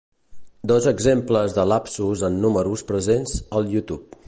Dos exemples de lapsus en números presents al YouTube.